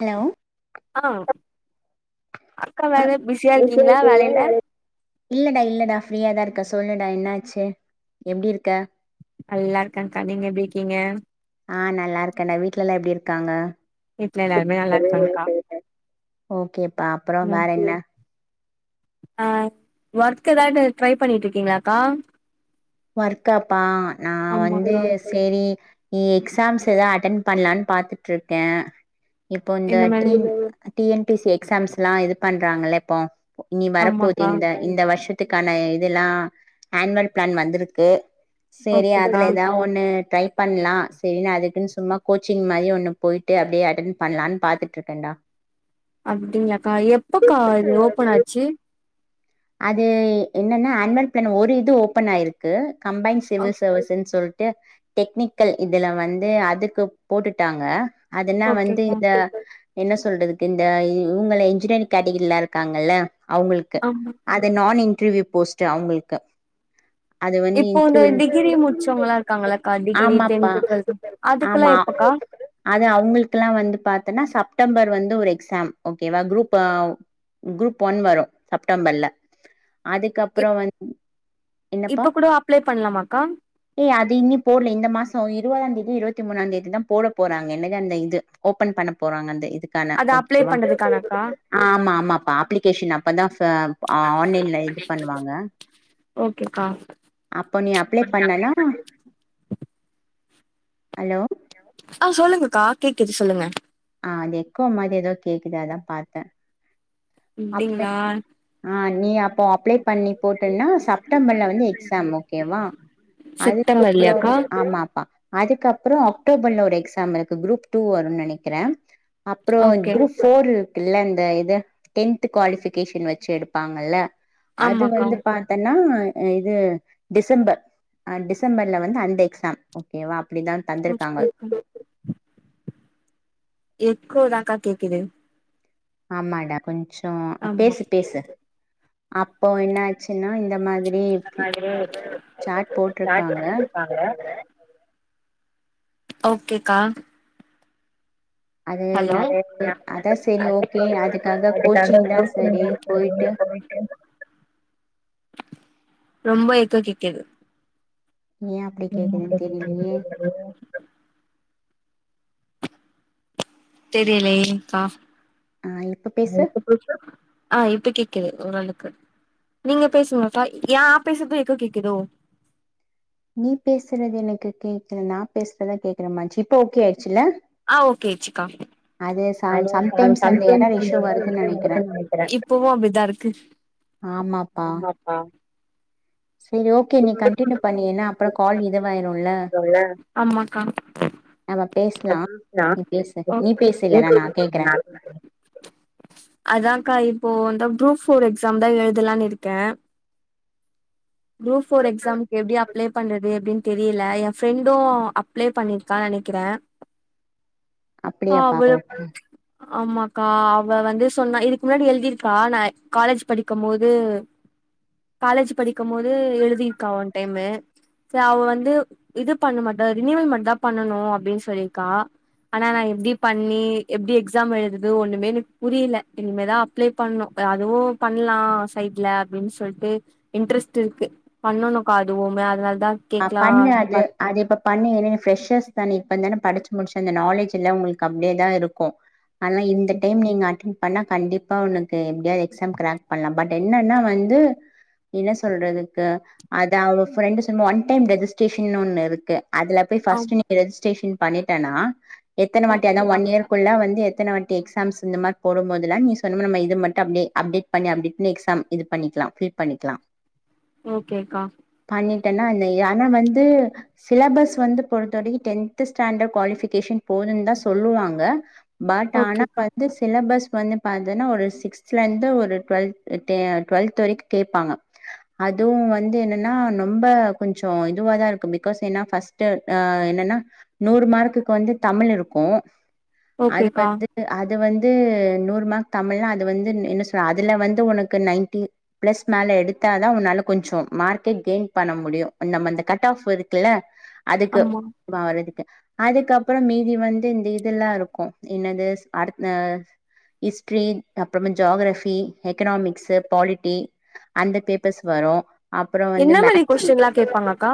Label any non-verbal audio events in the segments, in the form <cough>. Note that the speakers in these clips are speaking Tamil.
ஹலோ ஆ அக்கா அ வேல பிஸியா இருக்கீங்களா வேலைல இல்லடா இல்லடா ஃப்ரீயாதா இருக்கே சொல்லுடா என்னாச்சு எப்டி இருக்க நல்லா இருக்கங்க்கா நீங்க எப்டி இருக்கீங்க ஆ நல்லா இருக்கேன்டா வீட்ல எல்லா எப்டி இருக்காங்க வீட்ல எல்லாருமே நல்லா இருக்காங்க்கா ஓகேப்பா அப்றோ ம் வேற என்ன ஆ ஒர்க் எதாவது ட்ரை பண்ணிட்டு இருக்கீங்களாக்கா ஒர்க்காப்பா நா வந்து ஆமாக்கா சரி நீ எக்ஸாம்ஸ் ஏதா அட்டன் பண்ணலான் பாத்துட்டு இருக்கே இப்போ இந்த T N T N P C எக்ஸாம்ஸ்லா இது பண்றாங்கள்ள இப்போ மஇனி வரப்போகுது ஆமாக்கா இந்த இந்த வருஷத்துக்கான இதெல்லா ஆனுவல் பிளான் வந்து இருக்கு சேரி ஓகேக்கா அதுல எதாவ் ஒன்னு ட்ரை பண்லா சரின்னு அதுக்குன்னு சும்மா கோச்சிங் மாரி ஒன்னு போயிட்டு அப்டியே அட்டன் பண்ணலான்னு பாத்துட் ட்டு இருக்கேண்டா அப்டிங்களாக்கா எப்பக்கா இது ஓபன் ஆச்சு அது என்னன்னா அனுவல் பிளான் ஒரு இது ஓப்பன் ஆயிருக்கு கம்பைன் ஆ சிவில் சர்வீஸ்ன்னு சொல்லிட்டு டெக்னிக்கல் இதுல வந்து அதுக்கு போட்டுட்டாங்க அதுனா வந்து ஓகேக்கா இந்த என்ன சொல்றதுக்கு இந்த இவங்கள இன்ஜினியரிங் கேட்டகிரில இருக்காங்கள்ள அவங்ளுக்கு ம் அது நா இன்டர்வியூ போஸ்ட்டு அவங்களுக்கு இப்போ இந்த டிகிரி முடிச்சவங்கல்லா இருக்காங்களக்கா டிகிரி ஆமாப்பா டென்த் டுவெல்த் அதுக்கெல்லா ஆமா எப்பக்கா அது அவங்களுக்கெல்லாம் வந்து பாத்தேன்னா செப்டம்பர் வந்து ஒரு எக்ஸாம் ஓகேவா குரூப் அ குரூப் ஒன் வரு செப்டம்பர்ல அதுக்கப்ரோ இப் வந்து என்னப்பா இப்ப கூட அப்ளை பண்ணலாமாக்கா ஏய் அது இன்னி போடல இந்த மாசோ இருபதாம் தேதி இருபத்தி மூணாம் தேதிதா போட போறாங்க என்னது அந்த இது ஓப்பன் பண்ண போறாங்க அந்த இது க்கான அது அப்ளை பண்றதுக்கானக்கா ஆமா ஆமாப்பா அப்ளிகேஷன் அப்பதா ஆன்லைன்ல இது பண்ணுவாங்க ஓகேக்கா அப்ப நீ அப்ளை பண்ணன்னா அலோ ஆ சொல்லுங்கக்கா கேக்குது சொல்லுங்க ஆ அது எக்கோ மாதிரி எதோ கேக்குது அதா பாத்தே அப்ப அப்டீங்களா ஆ நீ அப்போ அப்ளை பண்ணி போட்டன்னா செப்டம்பர்ல வந்து எக்ஸாம் ஓகேவா அதுக்கப்புறோ செப்டம்பர்லயாக்கா ஆமாப்பா அதுக்கப்புறோ அக்டோபர்ல ஒரு எக்ஸாமு இருக்கு குரூப் டூ வரும்னு நெனைக்கறே அப்புறோ ஓகே குரூப் ஃபோர்லுயிக்குல்ல இந்த இது டென்த் குவாலிபிகேஷன் வெச்சு எடுப்பாங்கல்ல அது ஆமாக்கா வந்து பா பன்னா இது டிசம்பர் அ டிசம்பர்ல வந்து அன்ட் எக்ஸாம் ஓகேவா அப்புடிதா தந்துருக்காங்க ஓகேக்கா எக்கோதாக்கா கேக்குது ஆமாடா கொஞ்சோ ஆமா பேசு பேசு அப்போ என்னாச் ச்சின்னா இந்த மாதிரி ஸ்டார்ட் சாட் போட்ருக்காங்க காங்க ஓகேக்கா அது ஹலோ நா அதா செரி ஓகே அதுக்காக கோச்சிங் தா சரி போயிட்டு ரொம்போ எக்கோ கேக்குது ஏ அப்புடி என்ன கேக்குதுன்னு தெரியுலுயே தெரியலையே தெரியலேயேக்கா ஆ இப்ப பேசு ஆ இப்ப கேக்குது ஓரளவுக்கு நீங்க பேசுங்கக்கா ஏ ஆபிஸுக்கு எக்கோ கேக்குதோ நீ பேசுறது எனக்கு கேக்கல நா பேசுறதா கேக்குற மாச்சி இப்ப ஓகே ஆயிடுச்சுல ஆ ஓகேயாச்சிக்கா அது ச சம்டைம்ஸ் அந்த எரர் இஷூ நெறைய வருதுன்னு விஷயோ நெனைக்கிறே இருக்குன்னு இப்பவு அப்டிதா ஆமாப்பா ஆம் செரி ஓகே நீ கண்டினியூ பண்ணு ஏன்னா அப்றோ கால் இதுவாயிருல்ல <unintelligible> ஆமாக்கா நம்ம பேசலா நீ பேசு நீ பேசு இல்லனா நா கேக்குறே <unintelligible> அதாக்கா இப்போ குரூப் ஃபோர் எக்ஸாம்தா எழுதலானு இருக்கே குரூப் ஃபோர் எக்ஸாம்க்கு எப்டி அப்ளை பண்றது எப்டி தெரீல எ ஃப்ரெண்டோ அப்ளே பண்ணிருக்கான்னு நெனைக்கிறே ஆ அப்படியாப்பா அவளு ஆமாக்கா அவ வந்து சொன்னா இதுக்கு முன்னாடி எழுதிருக்கா நா காலேஜ் படிக்கும் போது காலேஜ் படிக்கும் போது எழுதிருக்கா ஒன் டைமு செரி அவ வந்து இது பண்ண மாட்டா ரினிவல் மட்டுந்தா பண்ணனோ அப்டின்னு சொல்லியிருக்கா ஆனா நா எப்டி பண்ணி எப்டி எக்ஸாம் எழுதுது ஒண்ணுமே எனக் புரியுல இனிமேதா அப்ளே பண்ணணோ அதுவு பண்லா சைட்ல அப்டீன்னு சொல்ட்டு இன்ட்ரெஸ்ட் இருக்கு பண்ணனுகா எதுவுமே அதனால தா ஆ கேக்லா பண்ணு அப்டின்னு அது பாத் அது இப்ப பண்ணி ஏன்னா ஃப்ரெஷர்ஸ் தானே இப்பந்தானே படிச்சு முடிச்சு அந்த நாலேஜ் எல்லா உங்குளுக்கு அப்டியேதா இருக்கோ ஆனா இந்த டைம் நீங்க அட்டென் பன்னா கண்டிப்பா உனக்கு எப்டியாவது எக்ஸாம் கிராக் பண்ணலா பட் என்னன்னா வந்து என்ன சொல்றதுக்கு அத அவ ஃப்ரெண்டு ச ஒன் டைம் ரெஜிஸ்டரேஷன் ஒன்னு இருக்கு அதுல போய் ஆ பஸ்ட்டு ரெஜிஸ்ட்ரேஷன் பண்ணிட்டனா எத்தன வாட்டி அதா ஓகேக்கா ஒன் இயர் குள்ள வந்து எத்தன வாட்டி எக்ஸாம்ஸ் இந்த மாரி போடும்போதுல்லா நீ சொன்னம நம்ம இது மட்டு அப்டீயே அப்டேட் பண்ணி அப்டின்னு எக்ஸாம் இது பண்ணிக்கலாம் ஃபீட் பண்ணிக்கலாம் ஓகேக்கா பண்ணிட்டேன்னா நீ ஆனா வந்து சிலபஸ் வந்து பொறுத்த வரைக்கும் டென்த் ஸ்டாண்டர் குவாலிஃபிகேஷன் போதுன்னு தான் சொல்லுவாங்க பட் ஆனா ஓகேக்கா வந்து சிலபஸ் வந்து பாத்தன்னா ஒரு சிக்ஸ்துல இருந்து ஒரு டுவெல்த் டெ டுவெல்த் வரைக்கும் கேட்பாங்க அதுவும் வந்து என்னன்னா நு ரொம்ப கொஞ்சம் இதுவாதான் இருக்கு பிக்காஸ் என்னா ஃபஸ்ட்டு ஆஹ் என்னன்னா நூறு மார்க்கு க்கு வந்து தமிழ் இருக்கும் அது ஓகேக்கா வந்து அது வந்து நூறு மார்க் தமிழ்னா அது வந்து என்ன சொல்ற அதுலா வந்து உனக்கு நைன்டி பிளஸ் மேல எடுத்தாதான் உன்னால கொஞ்சம் மார்க்கு கெயின் பண்ண முடியும் நம்ம அந்த கட் ஆப் இருக்குல்லா அதுக்கு ஆமா வாரதுக்கு அதுக்கப்புறம் மீதி வந்து இந்த இதுல்லாம் இருக்கும் என்னது ஸ் அடுத்த ஹிஸ்ட்ரி அப்புறமா ஜாகரஃபி எக்கனாமிக்ஸு பாலிட்டி அந்த பேப்பர்ஸ் வரும் அப்புறம் வந்து மேக் கொஸ்டின் லாம் கேட்பாங்களாக்கா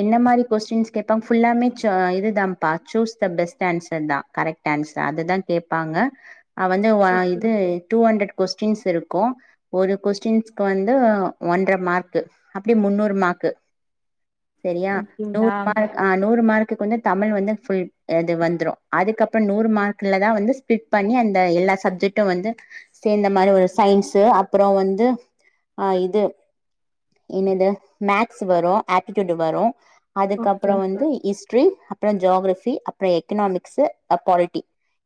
என்ன மாரி கொஸ்டின்ஸ் கேபாங்க ஃபுல்லாமே சு இது தான்ப்பா சூஸ் த பெஸ்ட் ஆன்சர் தான் கரெக்ட் தேங்ஸ் டா அது தான் கேப்பாங்க வந்து ஒ ஓகே இது டூ ஹண்ட்ரட் கொஸ்டின்ஸ் இருக்கும் ஒரு கொஸ்டின்ஸ்கு வந்து ஒன்றரை மார்க்கு அப்டி முன்னூறு மார்க்கு சரியா நூறு அப்டிங்களா மா்க் ஹ நூறு மார்க்குக்கு வந்து தமிழ் வந்து ஃபுல் இது வந்துரும் அதுக்கப்புறம் நூறு மார்க்கலா தான் வந்து சி பிலிட் பண்ணி அந்த எல்லா சப்ஜெக்ட்டும் வந்து சேந்த மாதிரி ஒரு சயின்ஸ் அப்புறம் வந்து ஆ இது என்னது மேக்ஸ் வரும் ஆப்டிடூட் வரும் ஓகே அதுக்கப்புறம் வந்து ஹிஸ் ட்ரி அப்புறம் ஜோகரஃபி அப்புறம் எக்கனாமிக்ஸ் ப்பாலிட்டி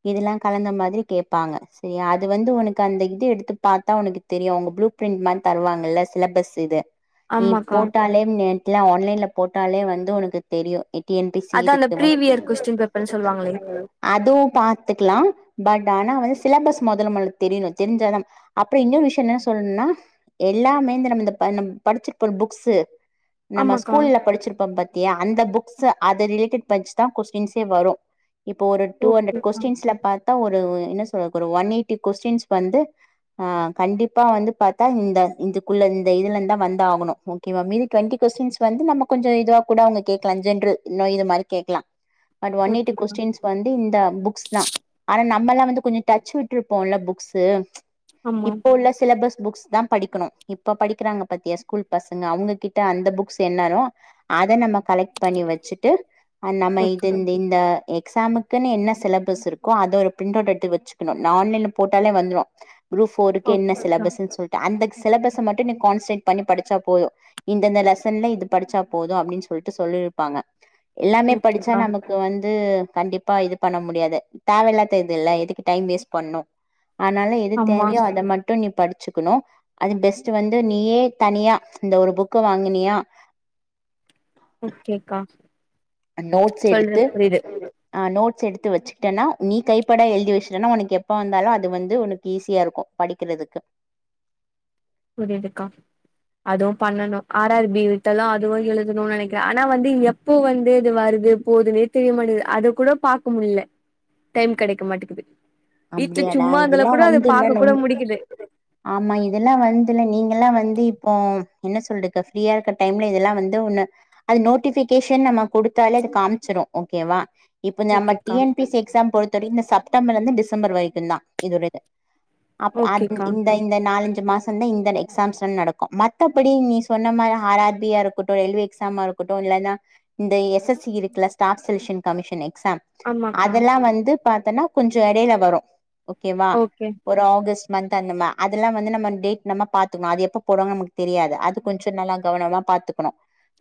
இதெல்லாம் கலந்த மாதிரி கேட்பாங்க சரியா அது வந்து உனக்கு அந்த இது எடுத்து பாத்தா உனக்கு தெரியும் அவங்க ப்ளூ பிரிண்ட் மாரி தருவாங்கல்லா சிலபஸ் இது நீ ஆமாக்கா போட்டாலே நெட்லா ஆன்லைன்லா போட்டாலே வந்து உனக்கு தெரியும் எ டி என் பி சி அதா அந்த இதுக்கலாம் ப்ரீவியர் கொஸ்டின் பேப்பர்ன்னு சொல்லுவாங்களே அதுவும் பாத்துக்கலாம் பட் ஆனா வந்து சிலபஸ் முதல்ல நம்மளுக்கு தெரியணும் தெரிஞ்சாதான் அப்புறம் இன்னோரு விஷயம் என்ன சொல்லணும்னா எல்லாமேந்து நம்ம இந்த ப நம் படிச்சிருப்போம் ல புக்ஸ் நம்ம ஆமாக்கா ஸ்கூல்ல படிச்சிருப்போம் பாத் தியா அந்த புக்ஸ் அது ரிலேட்டட் வச்சிதான் கொஸ்டின்ஸே வரும் இப்போ ஒரு டூ ஹண்ட்ரட் ஓகேக்கா கொஸ்டின்ஸ்ல பாத்தா ஒரு என்ன சொல்ற ஒரு ஒன் எயிட்டி கொஸ்டின்ஸ் வந்து ஆஹ் கண்டிப்பா வந்து பாத்தா இந்த இதுக்குள்ள இந்த இதுலா இருந்தான் வந்து து ஆகணும் ஒக்கேவா மீதி டோன்டி கொஸ்டின்ஸ் வந்து நம்ம கொஞ்சம் இதுவா கூட அவங்க கேலாம் ஜென்ரல் இன்னும் இது மாரி கேட்கலாம் பட்ஒன் எய்ட்டி ஓகேக்கா கொஸ்டின்ஸ் வந்து இந்த புக்ஸ் தான் ஆனா நம்மல்லாம் வந்து கொஞ்சம் டச்ச விட்ருப்போம்ல்ல புக்ஸ் ஆமா இப்ப உள்ள சிலாபஸ் புக்குஸ் தான் படிக்கணும் இப்ப படிக்கிறாங்க பாத்தியா ஸ் கூல் பசங்க அவங்ககிட்ட அந்த புக்ஸ் என்னாலும் அத நம்ம கலெக் பண்ணி வச்சுட்டு அ நம்ம ஓகே இது இந்த இந் இந்த எக்ஸாமுக்குன்னு என்ன சிலபஸ் இருக்கோ அத ஒரு பிரிண்ட்வுட் எடுத்து வச்சுக்கணும் ஆன்லைன்ல போட்டாலே வந்துரும் குரூப் ஃபோருக்கு என்ன ஓகேக்கா சிலபஸ்ன்னு சொல்லிட்டு அந்த சிலபஸ மட்டும் கான்ஸன்ட் பண்ணி படிச்சா போதும் இந்தந்த லெசன்ல இது படிச்சா போதும் அப்படின்னு சொல்லிட்டு சொல்லிருப்பாங்க எல்லாமே படிச்சா ஓகேக்கா நமக்கு இ வந்து கண்டிப்பா இது பண்ண முடியாது தேவையில்லாத இது இல்ல எதுக்கு டைம் வேஸ்ட் பண்ணு ஆனால எது ஆமா தேவையோ அத மட்டு நீ படிச்சுக்ணு அது பெஸ்ட் வந்து நீயே தனியா இந்த ஒரு புக்கு வாங்கினியா ஒக்கேக்கா நோட்ஸ் எடுத்து ஆ நோட்ஸ் எடுத்து வெச்சுக்கிடன்னா நீ கைப்படா எழுதி வெச்சட்டனா உனக்கு எப்ப வந்தாலு அது வந்து உனக்கு ஈஸியா இருக்கு படிக்கறிறதுக்கு புரியுதுக்கா அதுவு பண்ணணு ஆர்ரார்பி வட்டெல்லா அதுவு எழுதம்னு நெனைக்கிறே ஆனா வந்து இங்க பூ வந்து இது வருது போதுன்னே தெரியமாட்டேது அது கூட பாக்க முடில டைம் கெடைக்க மாட்டேக்குது வீட்ல அப்டியாடா சும்மா இருந்தால இதெல்லா கூட அது வந்து இல்ல பாக்க கூட நம் முடிக்குது ஆமா இதெல்லா வந்துல நீங்க எல்லா வந்து இப்போ என்ன சொல்ரது ஃப்ரீயா இருக்க டைம்ல இதெல்லா வந்து ஒன்னு அது நோட்டிபிகேஷன் நம்ம குடுத்தாலே அது காமிச்சிரு ஓகேவா இப்போ நம்ம டி ஓகேக்கா என் பி சி எக்ஸாம் பொறுத்த வரைக்கு இந்த செப்டம்பர்ல இருந்து டிசம்பர் வரைக்கு தா இது ஒருது அப் அந் இந் ஓகேக்கா இந்த இந்த நாலஞ்சு மாசோ தா இந்த எக்ஸாம்ஸ்ல நடக்கு மத்தபடி நீ சொன்ன மாரி ஆர் ஆர் பியா இருக்கு இருகட்டு ரயில்வே எக்ஸாமா இருக்கட்டு இல்லனா இந்த எஸ் எஸ் இ இருக்குல ஸ்டாப் செலக்க்ஷன் கமிஷனு எக்ஸாம் ஆமாக்கா அதெல்லா வந்து பாத்தன்னா கொஞ்சோ எடைல வரு ஓகேவா ஓகே ஒரு ஆகஸ்ட் மந்த் அந்த மா அதெல்லா வந்து நம்ம டேட் நம்ம பாத்துக்கணு அது எப்போ போடுவங்கனு நமக்கு தெரியாது அது கொஞ்சோ நல்லா கவனமாக பாத்துகணு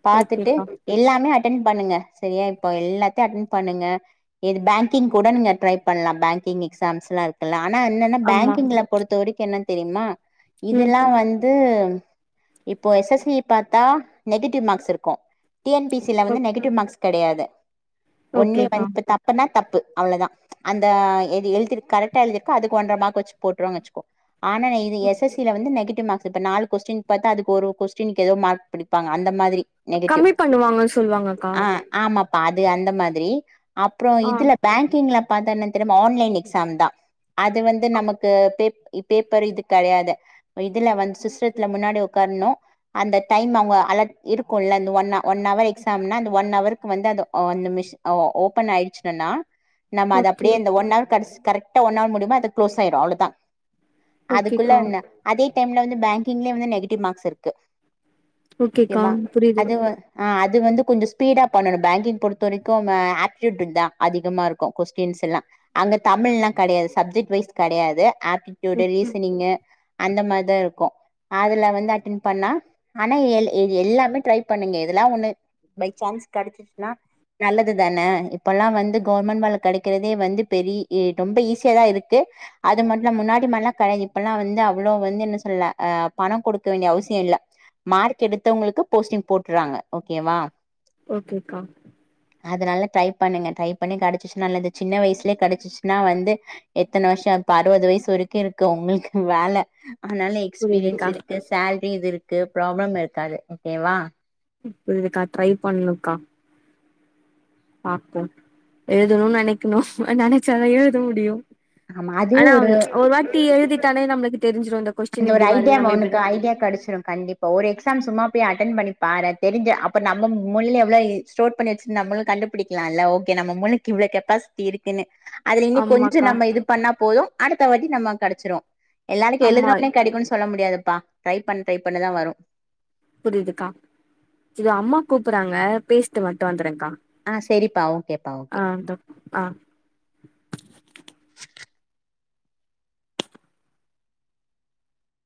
பாத்துட்டு ஓகேக்கா எல்லாமே அட்டென் பண்ணுங்க செரியா இப்ப எல்லாத்தையு அட்டென் பண்ணுங்க எது பேங்கிங் கூட நீங்க ட்ரை பண்லா பேங் கிங் எக்ஸாம்ஸ் எல்லா இருக்கல்ல ஆனா என்னன்னா ஆமா பேங்கிங்ல பொறுத்த வரைக்கு என்னன் தெரிமா ம் இதெல்லா வந்து இப்போ எஸ் எஸ் இ பாத்தா நெகட்டிவ் மார்க்ஸ் இருக்கு டி என் பி சில ஓ வந்து நெகட்டிவ் மார்க்ஸ் கெடையாது ஒன்லி ஓகேக்கா ஒன்த் தப்புனா தப்பு அவ்ளோதா அந்த எழுதிர் கரெக்டா எழுதிர்க அதுக்கு ஒன்ற மார்க் வச்சு போட்டுருவாங்க வச்சுகோ ஆன இது எஸ் எஸ் ல வந்து நெகிடிவ் மார்க்ஸ் இப்ப நாலு கொஸ்டின் பாத்தா அதுக்கு ஒரு கொஸ்டினுக்கு ஏதோ மார்க் பிடிப்பங்க அந்த மாதிரி நெகட்டிவ் கம்மி பண்ணுவாங்க சொல்லுவாங்கக்கா ஆ ஆமாப்பா அது அந்த மாதிரி அப்ரோ ஆ இதுல பேங்கிங்ல பா்த்தன்ன தெரிமா ஆன்லைன் எக்ஸாம் தா அது வந்து நமக்கு பேப் பேப்பரு இது கெடையாது இதுல வந்து சிஸ்டத்துல முன்னாடி உக்கார்ணு அந்த டைம் அவங்க அலக் இருக்குல அந்த ஒன் ஒன்அவர்க்கு எக்ஸாம்னா அந்த ஒன் அவருக்கு வந்து அ அந்த மிஷி ஓ ஓபன் ஆயிடுச்சுனண்ணா நம்ம அது ஓகே அப்டியே இந்த ஒன் கடஷ் கரெக்டா ஒன் ஹவர் முடியுமா அது க்ளோஸ் ஆயிரு அவ்ளோதா ஓகேக்கா அதுக்குள்ளன்னு அதே டைம்ல வந்து பேங்கிங்லயு வந்து நெகட்டிவ் மார்க்ஸ் இருக்கு ஓகேக்கா முக்கியமா புரியுது அது அது வந்து கொஞ்சோ ஸ்பீடா பண்ணணு பேங்கிங் பொறுத்த வரைக்கு ஆப்டிடூட் தா அதிகமா இருக்கு கொஸ்டின்ஸ் எல்லா அங்க தமிழ்ல்லா கெடையாது சப்ஜெக்ட் வைஸ் கெடையாது ஆப்டிடியூடு ஓகே ரீசனிங் அந்த மாரிதாருக்கு அதுல வந்து அட்டென் பண்ணா ஆனா எல் எல்லாமே ட்ரை பண்ணுங்க எதுலா ஒண்ணு பை சான்ஸ் கெடைச்சுசுனா நல்லது தான இப்பெல்லா வந்து கவுவர்மெண்ட் வேல கெடைக்கிறதே வந்து பெரி இ ரொம்ப ஈஸியாதா இருக்கு அது மட்டுல முன்னாடி மார்லா கெடையாது இப்பல்லா வந்து அவ்வளோ வந்து என்ன சொல்ல ஆ பணோ குடுக்க வேண்டிய அவசியோ இல்ல மார்க் எடுத்தவங்களுக்கு போஸ்டிங் போட்டுறாங்க ஓகேவா ஓகேக்கா அதுனால ட்ரை பண்ணுங்க ட்ரை பண்ணி கெடச்சுச்சு நல்லது சின்ன வயசுலயே கெடச்சிச்சு னா வந்து எத்தன வருஷோ இப்ப அறுவது வயசு வரைக்கு இருக்கு உங்களுக்கு வேல அதனாலே எக்ஸ்பீரியன்ஸ் புரியுதுக்கா இருக்கு சேல்ரி இது இருக்கு ப்ராப்ளம் இருக்காது ஓகேவா புரிதுக்கா ட்ரை பண்ணணுக்கா பாப்போ எழுதணுன் நெனைக்கனு நெனச்சாதா எழுத முடியு ஆமா அதே ஆனா ஒரு வாட்டி எழுதிட்டாளே நம்ளுக்கு தெரிஞ்சிரு இந்த அந்த கொஸ்டின் ஒரு இப்டி வருது ஐடியாமா நம்ம ஒனக்கு இப்டிதா ஐடியா கெடச்சிரு கண்டிப் பா ஒரு எக்ஸாம் சும்மா போய் அட்டன் பண்ணி பாரே தெரிஞ்ச அப்ப நம்ம மூளைல எவ்ளோ எ ஸ்டோர் பண்ணி வச்சு நம்மளு கண்டுபிடிக் லால ஓகே நம்ம மூளைக்கு இவ்ளோ கெப்பாசிட்டி இருக்குன்னு அதுல இனி கொஞ்சோ ஆமாக்கா நம்ம இது பண்ணா போது அடுத்த வாட்டி நம்ம கெடச்சிரு எல்லானிக்கி ஆமா எழுதுனோ கெடைக்குன் சொல்ல முடியாதுப்பா ட்ரை பண் ட்ரை பண்ணதா வரு புரியுதுக்கா இது அம்மா கூப்புறாங்க பேசிட்டு மட்டு வந்துர்ரேக்கா ஆ செரிப்பா ஓகேப்பா ஓ ஆக்கா ஆ